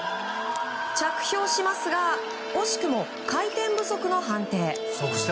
着氷しますが惜しくも回転不足の判定。